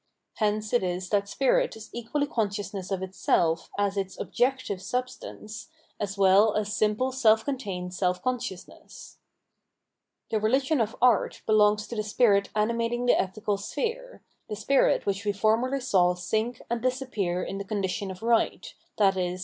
Hence it is that spirit is equally consciousness of itself as its objective substance, as well as simple seK contained self consciousness. 761 Revealed Religion Tlie religion of art belongs to the spirit animating the ethical sphere,* the spirit which we formerly saw sink and disappear in the condition of right, i.e.